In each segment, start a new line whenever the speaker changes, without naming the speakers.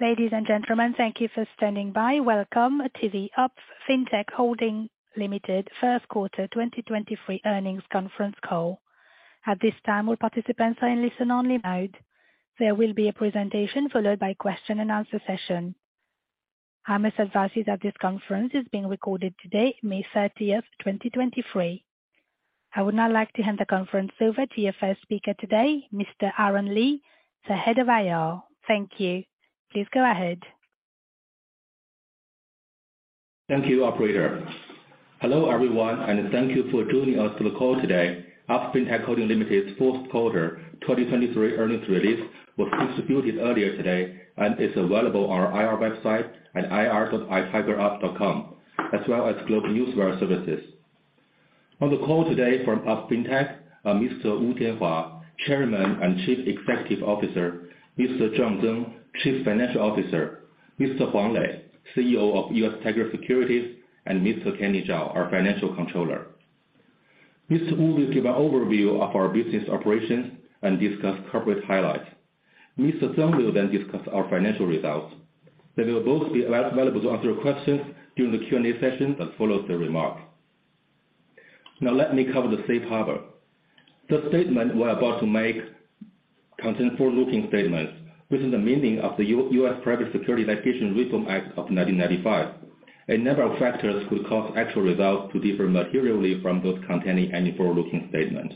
Ladies and gentlemen, thank you for standing by. Welcome to the UP Fintech Holding Limited First Quarter 2023 earnings conference call. At this time, all participants are in listen-only mode. There will be a presentation, followed by question and answer session. I must advise you that this conference is being recorded today, May 30th, 2023. I would now like to hand the conference over to the first speaker today, Mr. Aaron Li, the Head of IR. Thank you. Please go ahead.
Thank you, operator. Hello, everyone, thank you for joining us to the call today. UP Fintech Holding Limited's first quarter 2023 earnings release was distributed earlier today and is available on our IR website at ir.itigerup.com, as well as GlobeNewswire services. On the call today from UP Fintech are Mr. Wu Tianhua, Chairman and Chief Executive Officer, Mr. John Zeng, Chief Financial Officer, Mr. Huang Lei, CEO of U.S. Tiger Securities, and Mr. Kenny Zhao, our Financial Controller. Mr. Wu will give an overview of our business operations and discuss corporate highlights. Mr. Zeng will discuss our financial results. They will both be available to answer your questions during the Q&A session that follows the remark. Let me cover the safe harbor. The statement we are about to make contain forward-looking statements within the meaning of the U.S. Private Securities Litigation Reform Act of 1995. A number of factors could cause actual results to differ materially from those containing any forward-looking statements.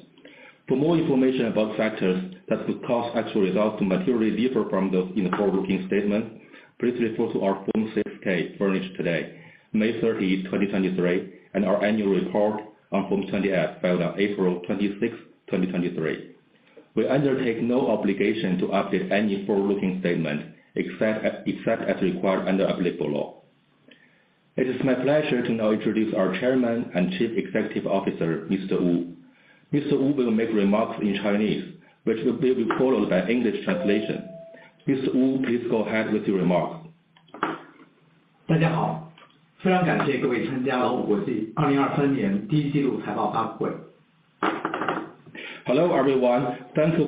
For more information about factors that could cause actual results to materially differ from those in the forward-looking statements, please refer to our Form 6-K furnished today, May 30, 2023, and our annual report on Form 20-F, filed on April 26, 2023. We undertake no obligation to update any forward-looking statement, except as required under applicable law. It is my pleasure to now introduce our Chairman and Chief Executive Officer, Mr. Wu. Mr. Wu will make remarks in Chinese, which will be followed by English translation. Mr. Wu, please go ahead with your remarks.
Hello, everyone. Thanks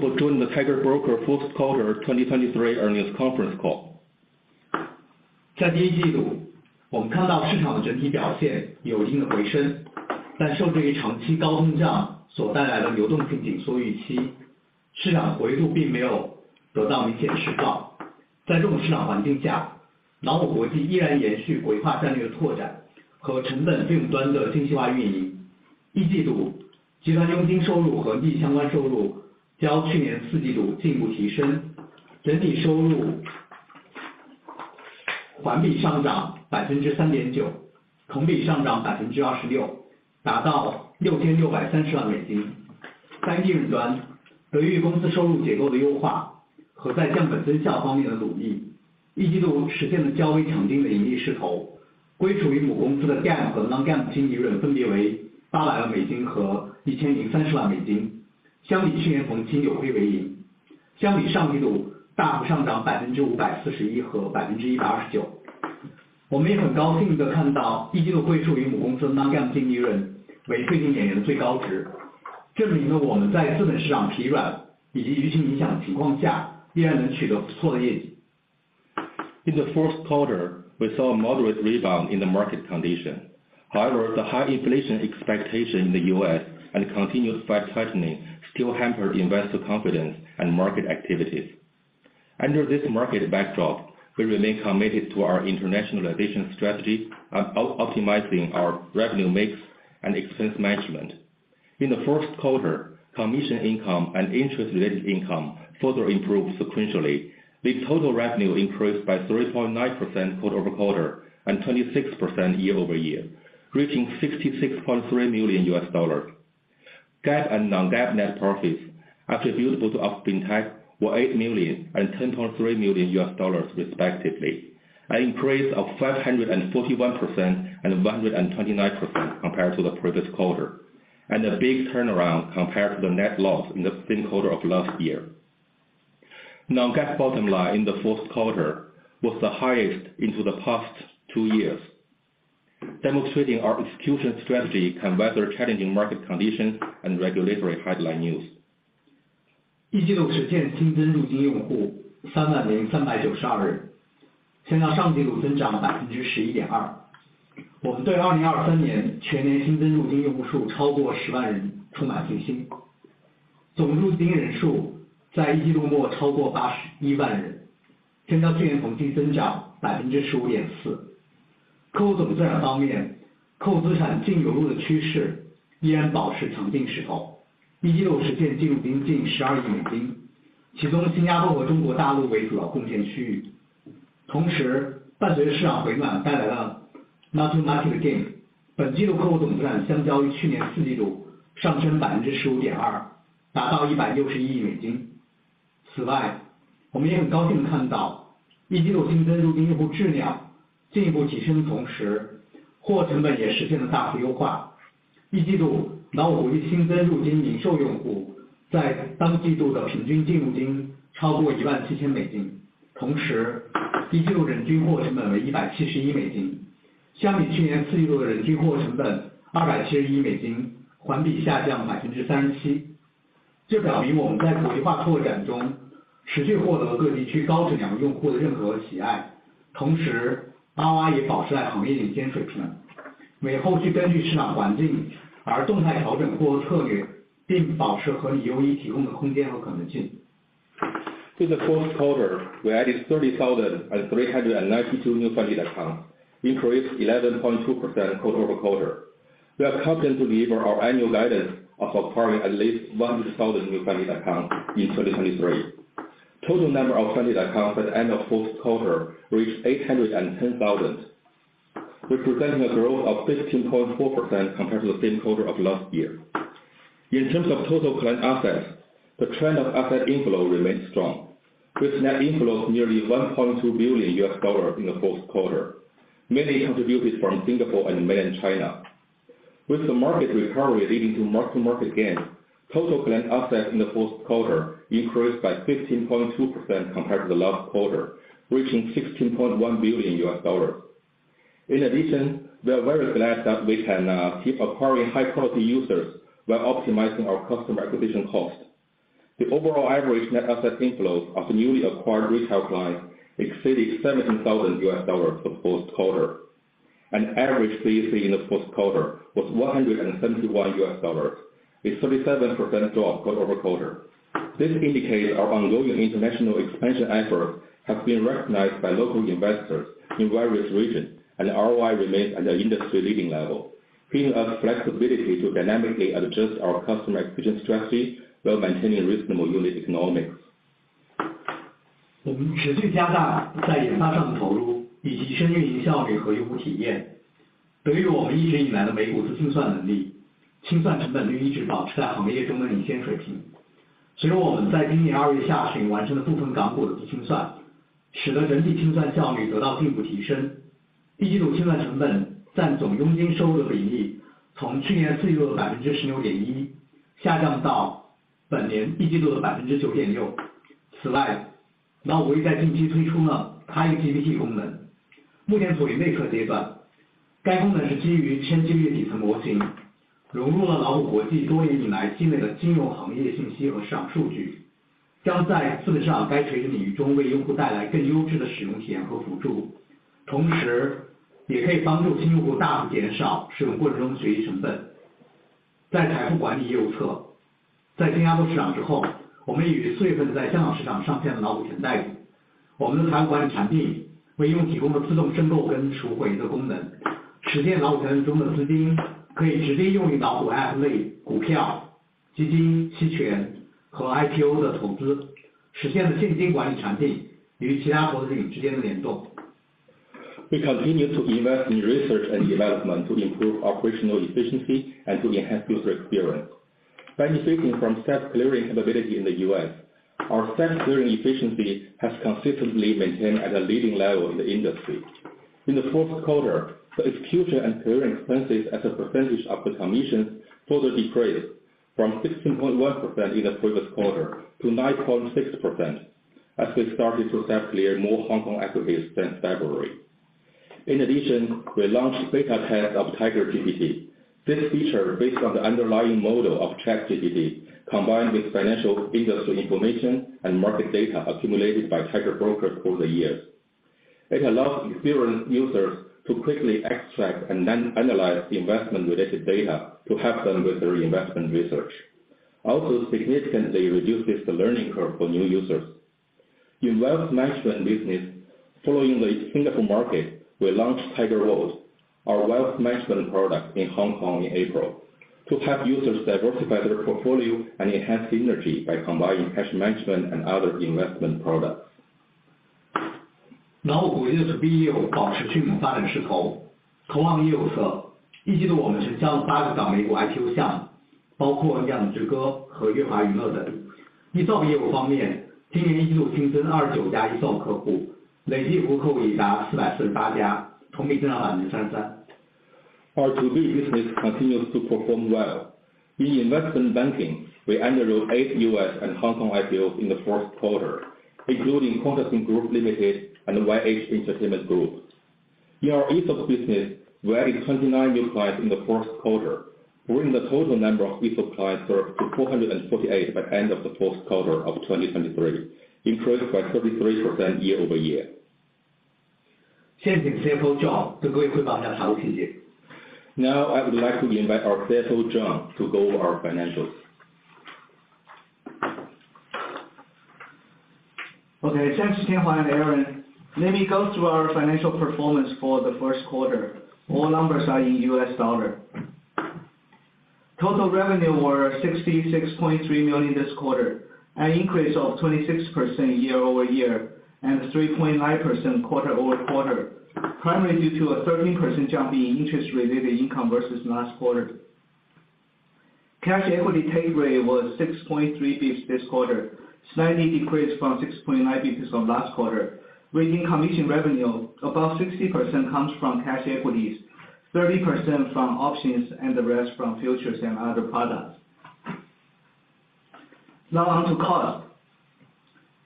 for joining the Tiger Brokers first quarter 2023 earnings conference call. In the first quarter, we saw a moderate rebound in the market condition. However, the high inflation expectation in the U.S. and continued Fed tightening still hampered investor confidence and market activities. Under this market backdrop, we remain committed to our internationalization strategy and optimizing our revenue mix and expense management. In the first quarter, commission income and interest-related income further improved sequentially, with total revenue increased by 3.9% quarter-over-quarter and 26% year-over-year, reaching $66.3 million. GAAP and non-GAAP net profits attributable to UP Fintech were $8 million and $10.3 million, respectively, an increase of 541% and 129% compared to the previous quarter, and a big turnaround compared to the net loss in the same quarter of last year. Non-GAAP bottom line in the first quarter was the highest in the past two years, demonstrating our execution strategy can weather challenging market conditions and regulatory headline news. In the fourth quarter, we added 30,392 new funding accounts, increased 11.2% quarter-over-quarter. We are confident to deliver our annual guidance of acquiring at least 100,000 new funding accounts in 2023. Total number of funding accounts at the end of fourth quarter reached 810,000, representing a growth of 15.4% compared to the same quarter of last year. In terms of total client assets, the trend of asset inflow remains strong, with net inflows nearly $1.2 billion in the fourth quarter, mainly contributed from Singapore and Mainland China. With the market recovery leading to mark-to-market gain, total client assets in the fourth quarter increased by 15.2% compared to the last quarter, reaching $16.1 billion. In addition, we are very glad that we can keep acquiring high-quality users while optimizing our Customer Acquisition Cost. The overall average net asset inflow of the newly acquired retail client exceeded $17,000 for the fourth quarter, and average CAC in the fourth quarter was $171, a 37% drop quarter-over-quarter. This indicates our ongoing international expansion effort has been recognized by local investors in various regions, and ROI remains at an industry-leading level, giving us flexibility to dynamically adjust our customer acquisition strategy while maintaining reasonable unit economics. We continue to invest in research and development to improve operational efficiency and to enhance user experience. Benefiting from self-clearing capability in the U.S., our self-clearing efficiency has consistently maintained at a leading level in the industry. In the fourth quarter, the execution and clearing expenses as a percentage of the commission further decreased from 16.1% in the previous quarter to 9.6%, as we started to self-clear more Hong Kong equities since February. In addition, we launched beta test of TigerGPT. This feature is based on the underlying model of ChatGPT, combined with financial industry information and market data accumulated by Tiger Brokers over the years. It allows experienced users to quickly extract and then analyze investment-related data to help them with their investment research. Also, significantly reduces the learning curve for new users. In wealth management business, following the Singapore market, we launched Tiger Vault, our wealth management product, in Hong Kong in April, to help users diversify their portfolio and enhance synergy by combining cash management and other investment products. Tiger Brokers' B2B business continues to perform well. In the investment banking we added eight U.S. And Hong Kong IPOs in the first quarter. In ESOP business, we added 29 clients in the first quarter, bringing the total number of M&A clients served to 448 by end of the fourth quarter of 2023, increased by 33% year-over-year. Now I would like to invite our CFO, John Zeng, to go over our financials.
Okay, thanks, Tianhua and Aaron. Let me go through our financial performance for the first quarter. All numbers are in US dollar. Total revenue were $66.3 million this quarter, an increase of 26% year-over-year, 3.9% quarter-over-quarter, primarily due to a 13% jump in interest related income versus last quarter. Cash equity take rate was 6.3 bps this quarter, slightly decreased from 6.9 bps from last quarter, with commission revenue, about 60% comes from cash equities, 30% from options, and the rest from futures and other products. On to costs.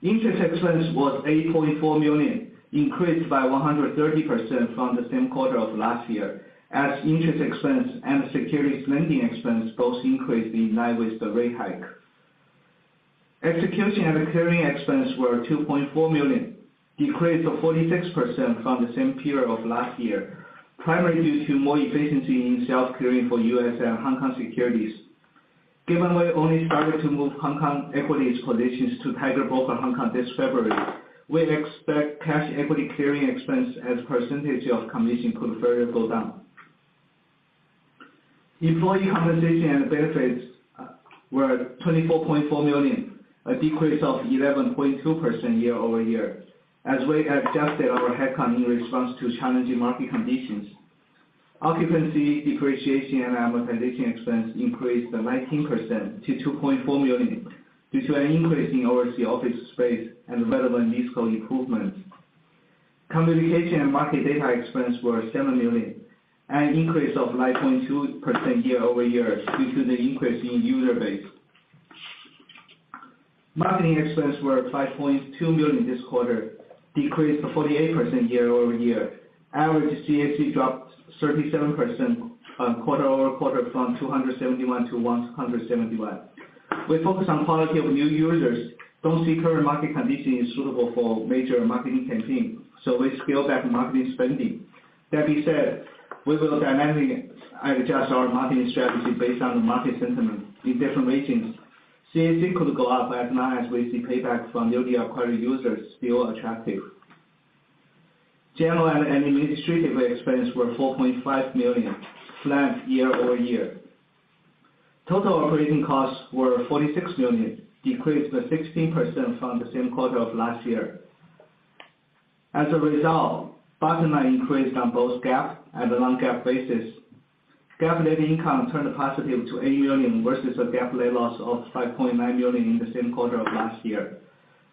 Interest expense was $8.4 million, increased by 130% from the same quarter of last year, as interest expense and securities lending expense both increased in line with the rate hike. Execution and clearing expense were $2.4 million, decreased to 46% from the same period of last year, primarily due to more efficiency in self-clearing for U.S. and Hong Kong securities. Given we only started to move Hong Kong equities positions to Tiger Broker Hong Kong this February, we expect cash equity clearing expense as a percentage of commission could further go down. Employee compensation and benefits were $24.4 million, a decrease of 11.2% year-over-year, as we adjusted our headcount in response to challenging market conditions. Occupancy, depreciation and amortization expense increased by 19% to $2.4 million, due to an increase in our overseas office space and relevant leasehold improvements. Communication and market data expense were $7 million, an increase of 9.2% year-over-year due to the increase in user base. Marketing expense were $5.2 million this quarter, decreased to 48% year-over-year. Average CAC dropped 37% quarter-over-quarter from $271 to $171. We focus on quality of new users, don't see current market condition is suitable for major marketing campaign. We scale back marketing spending. That being said, we will dynamically adjust our marketing strategy based on the market sentiment. In different regions, CAC could go up. Not as we see payback from newly acquired users, still attractive. General and administrative expense were $4.5 million, flat year-over-year. Total operating costs were $46 million, decreased by 16% from the same quarter of last year. As a result, bottom line increased on both GAAP and the non-GAAP basis. GAAP net income turned positive to $80 million, versus a GAAP net loss of $5.9 million in the same quarter of last year.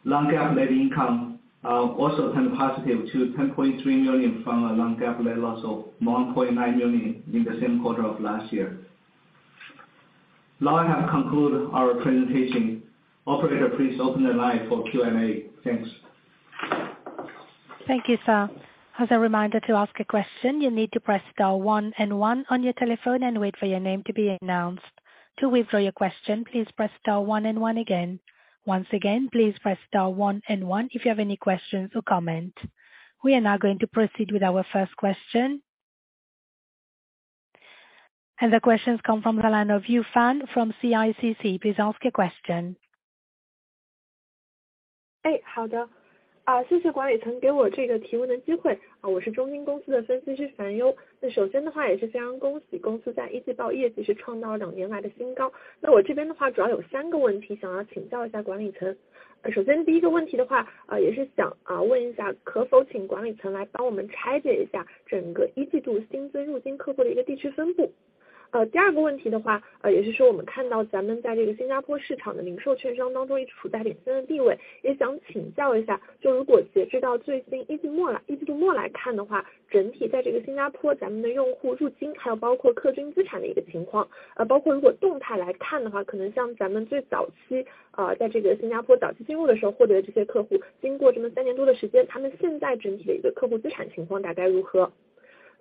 Non-GAAP net income also turned positive to $10.3 million from a non-GAAP net loss of $1.9 million in the same quarter of last year. I have concluded our presentation. Operator, please open the line for Q&A. Thanks.
Thank you, sir. As a reminder, to ask a question, you need to press star one and one on your telephone and wait for your name to be announced. To withdraw your question, please press star one and one again. Once again, please press star one and one if you have any questions or comment. We are now going to proceed with our first question. The question comes from the line of Hua Fan from CICC. Please ask your question.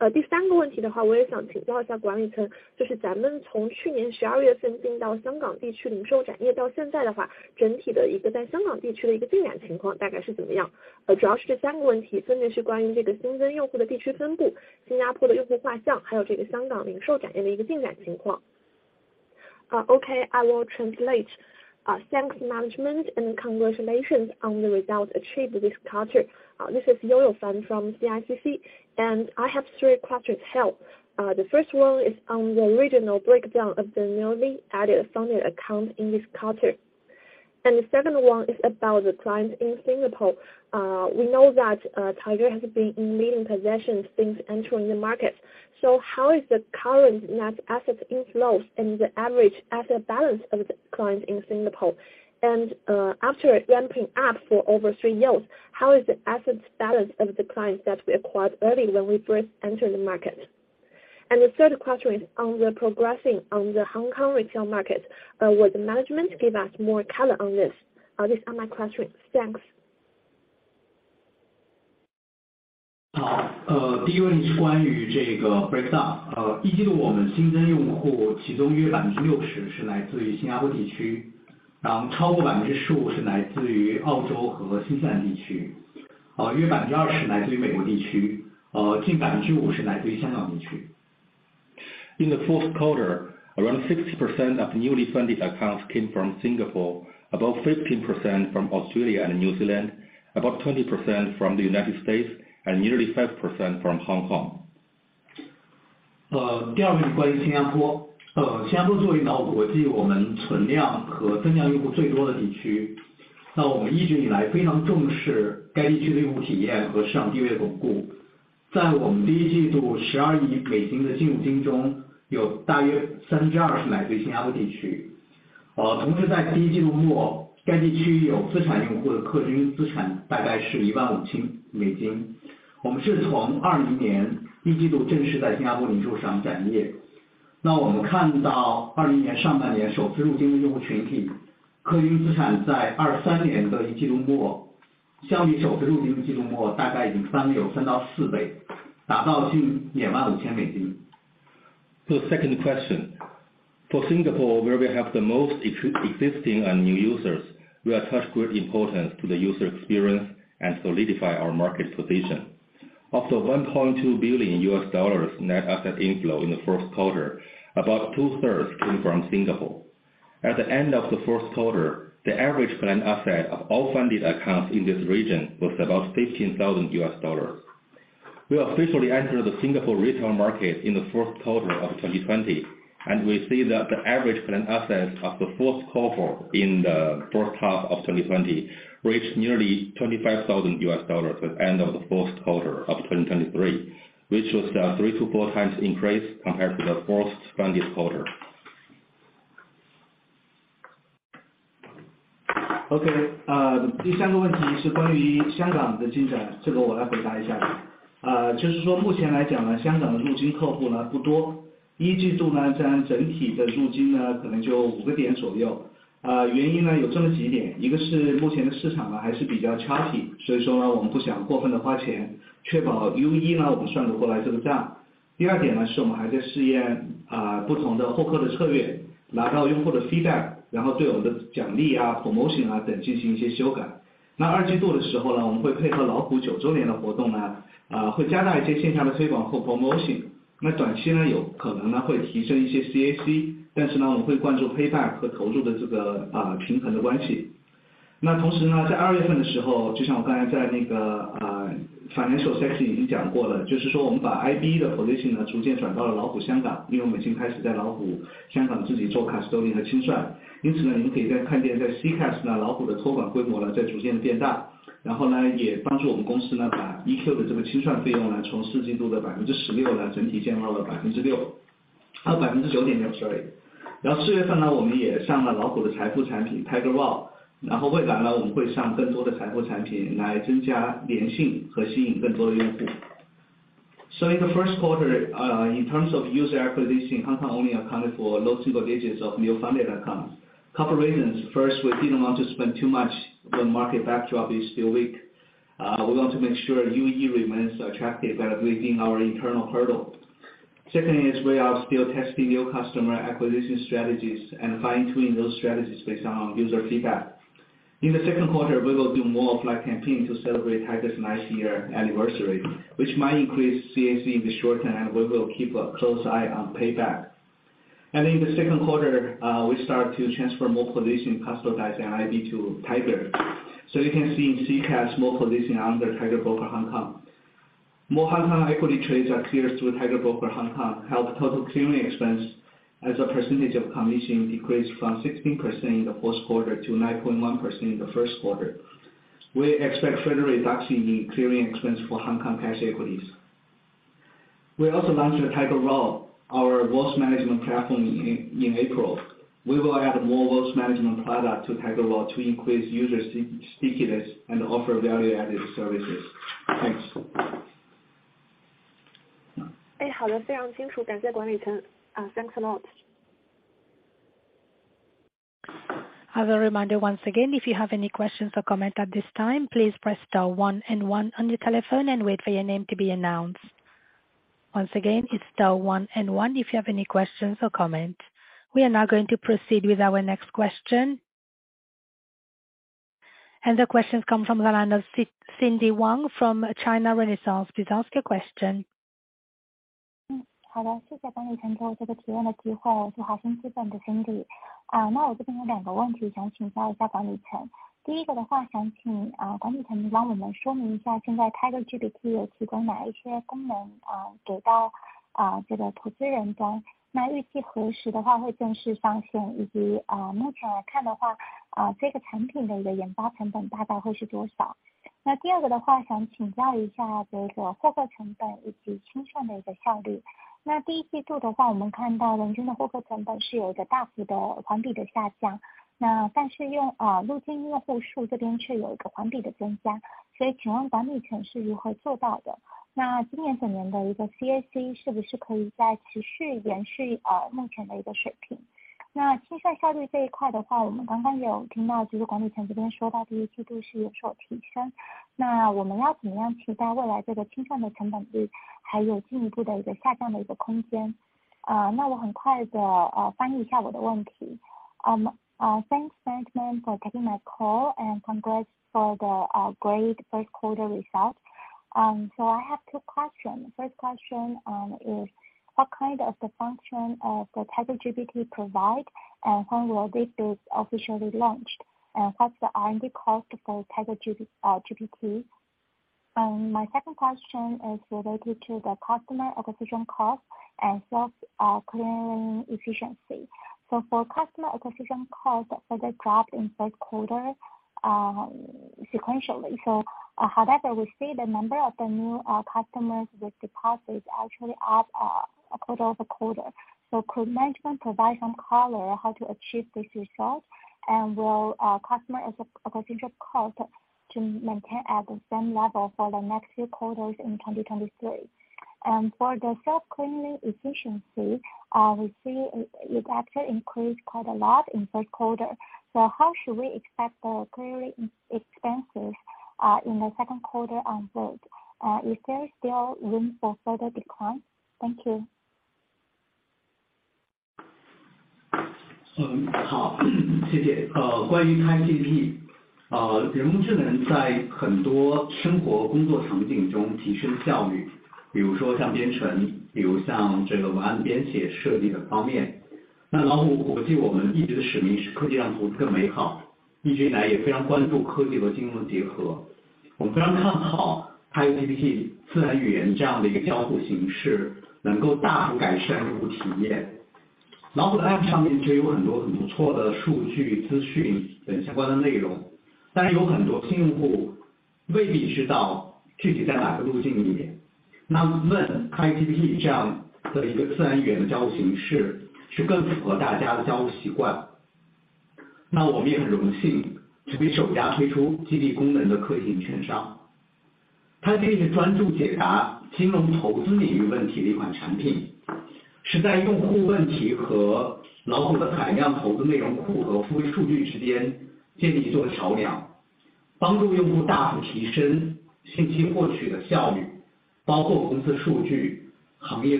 Okay, I will translate. Thanks management, congratulations on the results achieved this quarter. This is Hua Fan from CICC, I have three questions, help. The first one is on the regional breakdown of the newly added funded account in this quarter. The second one is about the clients in Singapore. We know that Tiger has been in leading position since entering the market. How is the current net assets inflows and the average asset balance of the clients in Singapore? After ramping up for over three years, how is the assets balance of the clients that we acquired early when we first entered the market? The third question is on the progressing on the Hong Kong retail market. Would the management give us more color on this? These are my questions. Thanks.
In the fourth quarter, around 60% of newly funded accounts came from Singapore, about 15% from Australia and New Zealand, about 20% from the United States, and nearly 5% from Hong Kong. The second question, for Singapore, where we have the most existing and new users, we attach great importance to the user experience and solidify our market position. Of the $1.2 billion net asset inflow in the first quarter, about two thirds came from Singapore. At the end of the first quarter, the average balance asset of all funded accounts in this region was about $15,000. We officially entered the Singapore retail market in the fourth quarter of 2020, and we see that the average current assets of the fourth quarter in the first half of 2020 reached nearly $25,000 at the end of the fourth quarter of 2023, which was a 3x to 4x increase compared to the first funded quarter.
In Q1, in terms of user acquisition, Hong Kong only accounted for low single digits of new funded accounts. Couple reasons. First, we didn't want to spend too much when market backdrop is still weak. We want to make sure UE remains attractive and within our internal hurdle. Second is we are still testing new customer acquisition strategies and fine-tuning those strategies based on user feedback. In the second quarter, we will do more of like campaign to celebrate Tiger's ninth year anniversary, which might increase CAC in the short term, and we will keep a close eye on payback. In the second quarter, we start to transfer more position, customizing IB to Tiger, so you can see Tiger Vault more position under Tiger Broker Hong Kong. More Hong Kong equity trades are cleared through Tiger Broker Hong Kong, help total clearing expense as a percentage of commission decreased from 16% in the fourth quarter to 9.1% in the first quarter. We expect further reduction in clearing expense for Hong Kong cash equities. We also launched the Tiger Vault, our wealth management platform in April. We will add more wealth management product to Tiger Vault to increase users stickiness and offer value-added services. Thanks.
Thanks a lot!
As a reminder, once again, if you have any questions or comment at this time, please press star one and one on your telephone and wait for your name to be announced. Once again, it's star one and one if you have any questions or comments. We are now going to proceed with our next question. The question comes from the line of Cindy Wang from China Renaissance, please ask your question.
Thanks management for taking my call, and congrats for the, uh, great first quarter results。Um, so I have two questions. First question, is what kind of the function of the Tiger GPT provide, and when will this be officially launched? What's the R&D cost for TigerGPT? My second question is related to the customer acquisition cost and sales clearing efficiency. For customer acquisition cost further dropped in third quarter sequentially. However, we see the number of the new customers with deposits actually up quarter-over-quarter. Could management provide some color how to achieve this result? Will customer acquisition cost maintain at the same level for the next few quarters in 2023? For the self-clearing efficiency, we see it actually increased quite a lot in first quarter. How should we expect the clearing expenses in the second quarter on this? Is there still room for further decline? Thank you.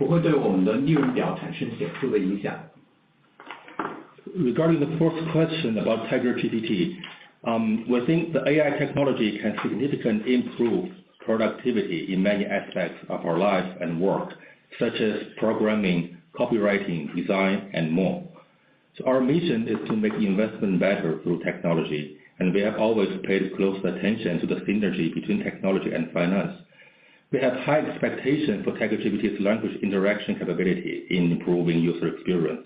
Regarding the first question about TigerGPT, we think the AI technology can significantly improve productivity in many aspects of our lives and work, such as programming, copywriting, design, and more. Our mission is to make investment better through technology, and we have always paid close attention to the synergy between technology and finance. We have high expectations for TigerGPT's language interaction capability in improving user experience.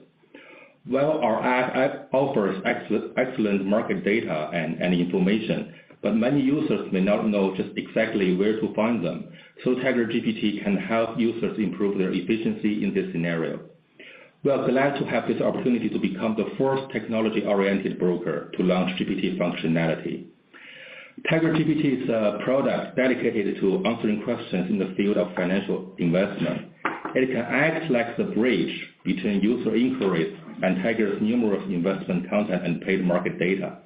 Well, our app offers excellent market data and information, but many users may not know just exactly where to find them. TigerGPT can help users improve their efficiency in this scenario. We are glad to have this opportunity to become the first technology-oriented broker to launch GPT functionality. TigerGPT is a product dedicated to answering questions in the field of financial investment. It can act like the bridge between user inquiries and Tiger's numerous investment content and paid market data.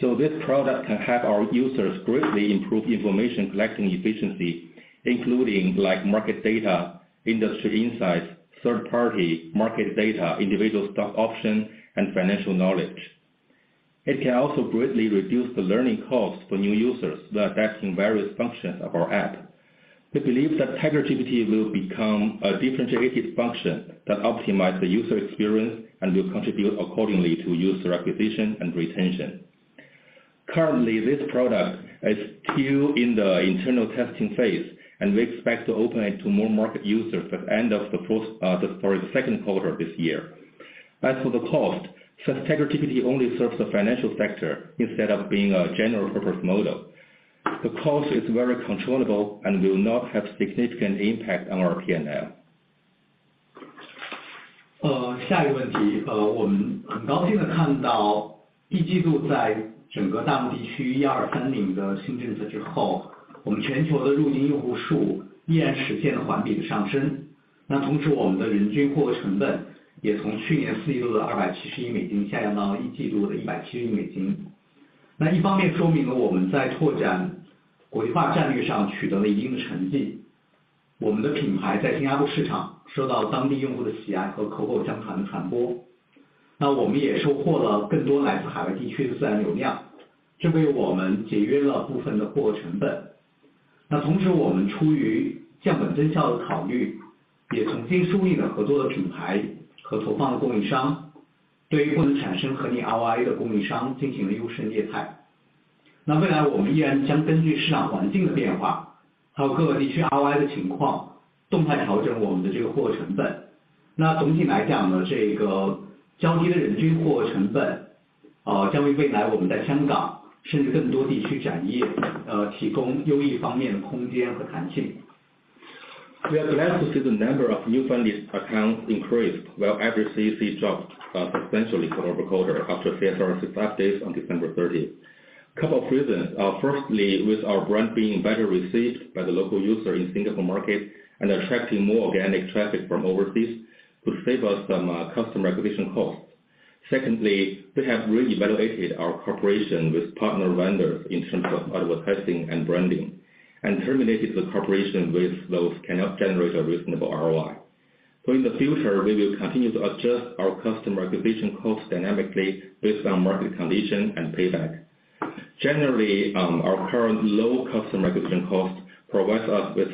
This product can help our users greatly improve information collecting efficiency, including like market data, industry insights, third party market data, individual stock options, and financial knowledge. It can also greatly reduce the learning cost for new users by accessing various functions of our app. We believe that TigerGPT will become a differentiated function that optimize the user experience and will contribute accordingly to user acquisition and retention. Currently, this product is still in the internal testing phase, and we expect to open it to more market users at the end of the second quarter of this year. As for the cost, since TigerGPT only serves the financial sector instead of being a general purpose model, the cost is very controllable and will not have a significant impact on our P&L. We are glad to see the number of new funding accounts increased, while average CAC dropped substantially quarter-over-quarter after CSRC updates on December 30th. A couple of reasons. Firstly, with our brand being better received by the local user in Singapore market and attracting more organic traffic from overseas, which save us some customer acquisition costs. Secondly, we have re-evaluated our cooperation with partner vendors in terms of advertising and branding, and terminated the cooperation with those cannot generate a reasonable ROI. In the future, we will continue to adjust our customer acquisition cost dynamically based on market condition and payback. Generally, our current low customer acquisition cost provides us with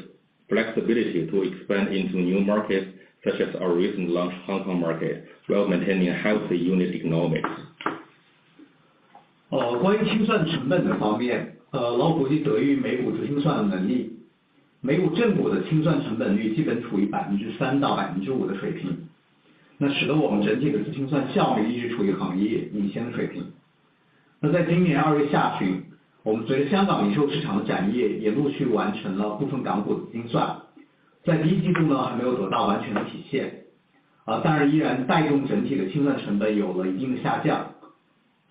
flexibility to expand into new markets, such as our recent launch Hong Kong market, while maintaining healthy unit economics.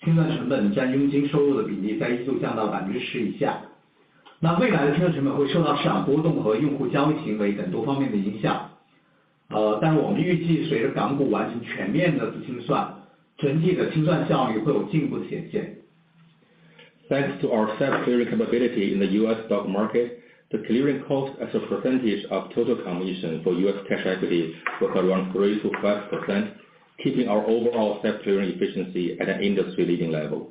Thanks to our self-clearing capability in the U.S. stock market, the clearing cost as a percentage of total commission for U.S. cash equity was around 3%-5%, keeping our overall self-clearing efficiency at an industry-leading level.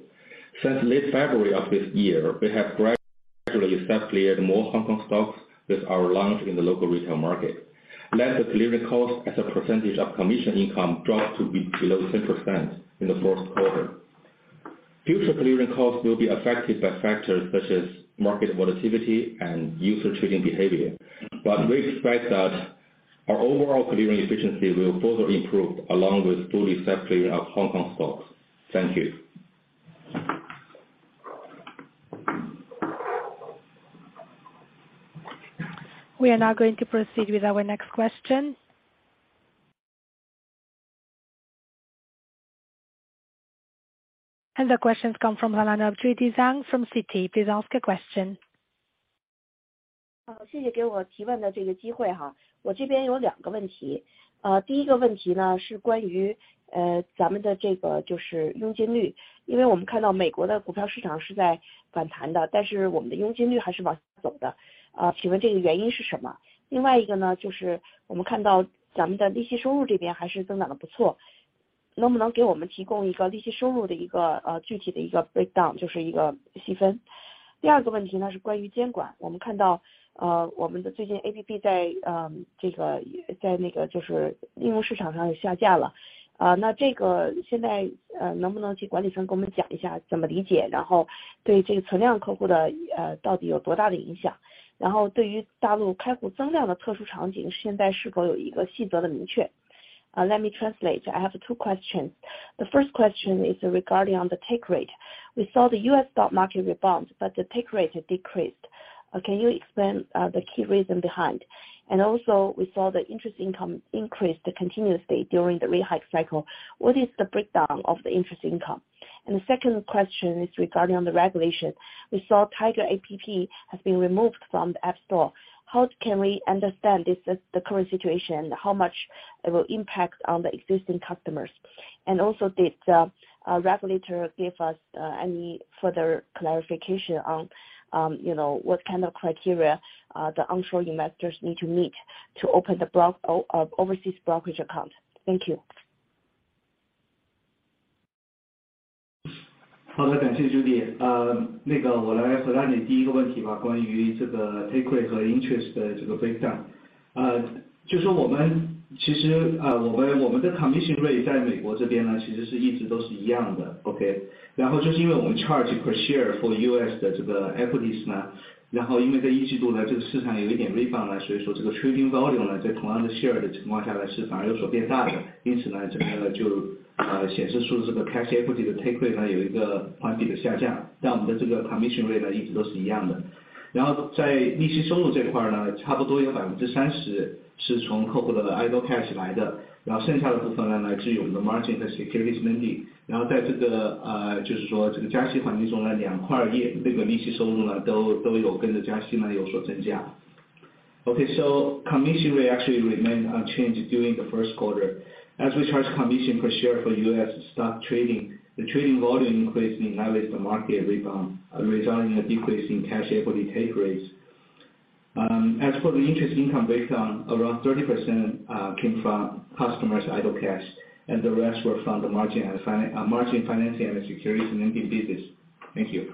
Since late February of this year, we have gradually self-cleared more Hong Kong stocks with our launch in the local retail market. Last, the clearing cost as a percentage of commission income dropped to below 10% in the first quarter. Future clearing costs will be affected by factors such as market volatility and user trading behavior, but we expect that our overall clearing efficiency will further improve along with full effect clearing of Hong Kong stocks. Thank you!
We are now going to proceed with our next question. The question come from Judy Zhang from Citi, please ask a question.
Let me translate, I have two questions. The first question is regarding on the take rate. We saw the U.S. stock market rebound, but the take rate decreased. Can you explain the key reason behind? Also we saw the interest income increased continuously during the rate hike cycle. What is the breakdown of the interest income? The second question is regarding on the regulation. We saw Tiger App has been removed from the App Store. How can we understand this is the current situation? How much it will impact on the existing customers? Also did regulator give us any further clarification on, you know, what kind of criteria the onshore investors need to meet to open the overseas brokerage account? Thank you.
OK, commission rate actually remained unchanged during the first quarter. As we charge commission per share for US stock trading, the trading volume increased in line with the market rebound, resulting in a decrease in cash equity take rates. As for the interest income breakdown, around 30% came from customers' idle cash, and the rest were from the margin financing and securities lending business. Thank you.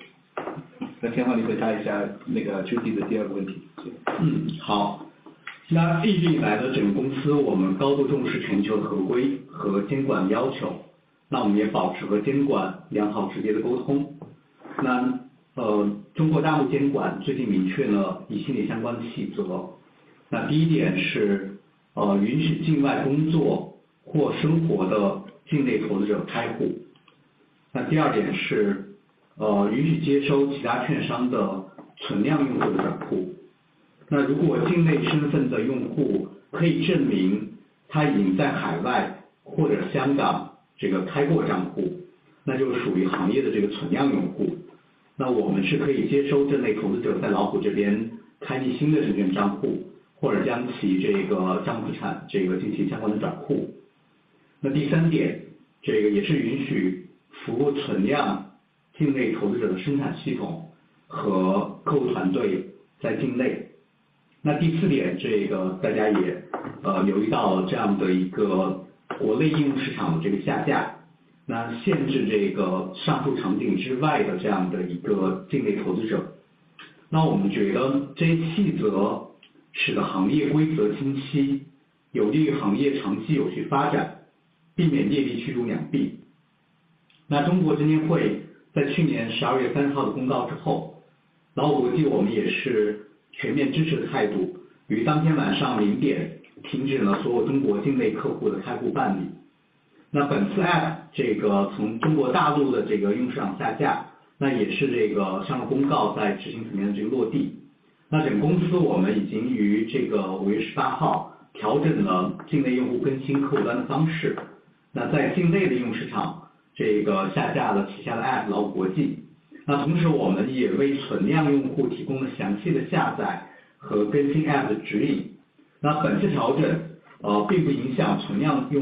We attach great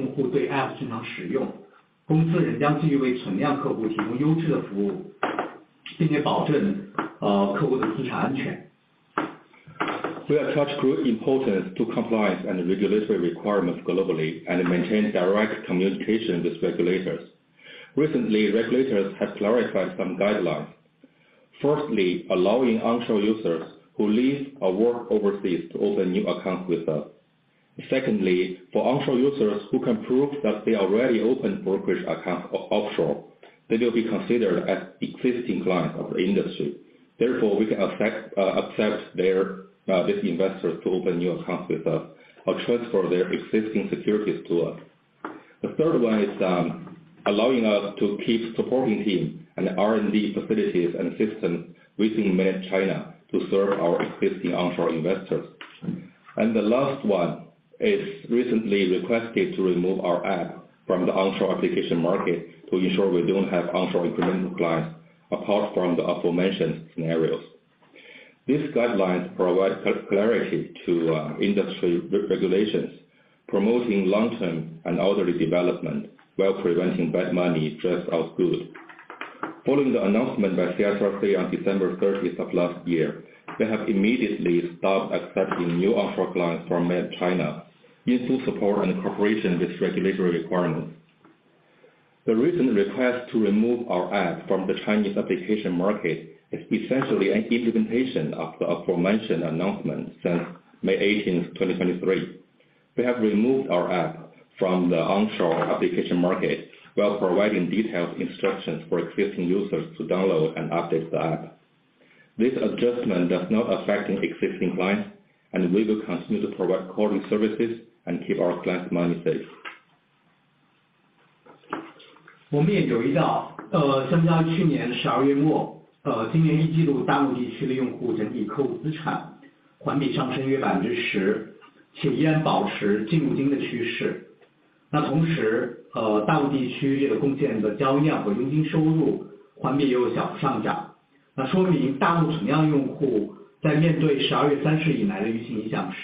importance to compliance and regulatory requirements globally and maintain direct communication with regulators. Recently, regulators have clarified some guidelines. Firstly, allowing onshore users who leave or work overseas to open new accounts with us. Secondly, for onshore users who can prove that they already opened brokerage accounts offshore, they will be considered as existing clients of the industry. Therefore, we can accept these investors to open new accounts with us or transfer their existing securities to us. The third one is allowing us to keep supporting team and R&D facilities and systems within mainland China to serve our existing onshore investors. The last one is recently requested to remove our app from the onshore application market to ensure we don't have onshore incremental clients, apart from the aforementioned scenarios. These guidelines provide clarity to industry regulations, promoting long-term and orderly development while preventing bad money drives out good. Following the announcement by CSRC on December 30 of last year, we have immediately stopped accepting new offshore clients from mainland China in full support and cooperation with regulatory requirements. The recent request to remove our app from the Chinese application market is essentially an implementation of the aforementioned announcement since May 18, 2023. We have removed our app from the onshore application market while providing detailed instructions for existing users to download and update the app. This adjustment does not affect existing clients, and we will continue to provide quality services and keep our clients' money safe.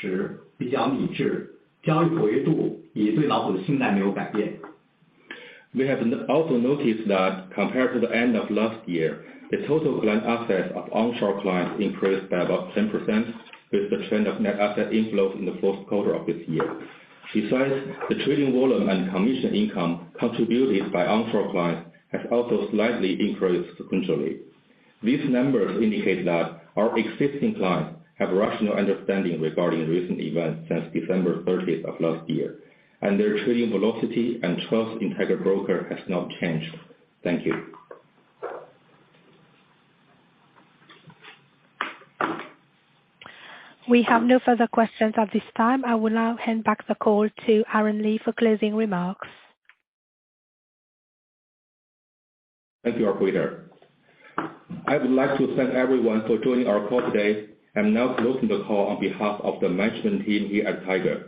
We have also noticed that compared to the end of last year, the total client assets of onshore clients increased by about 10%, with a trend of net asset inflows in the first quarter of this year. The trading volume and commission income contributed by onshore clients has also slightly increased sequentially. These numbers indicate that our existing clients have a rational understanding regarding recent events since December 30th of last year, and their trading velocity and trust in Tiger Brokers has not changed. Thank you!
We have no further questions at this time. I will now hand back the call to Aaron Li for closing remarks.
Thank you, operator. I would like to thank everyone for joining our call today. I am now closing the call on behalf of the management team here at Tiger.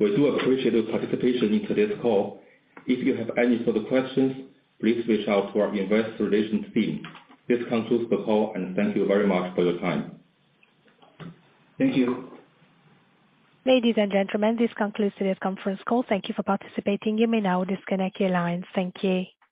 We do appreciate your participation in today's call. If you have any further questions, please reach out to our investor relations team. This concludes the call, and thank you very much for your time.
Thank you.
Ladies and gentlemen, this concludes today's conference call. Thank you for participating. You may now disconnect your lines. Thank you.